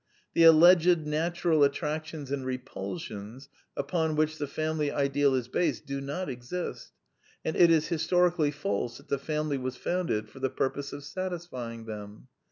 The alleged natural attractions and repulsions upon which the family ideal is based do not exist; and it is historically false that the family was founded for the purpose of satisfying them.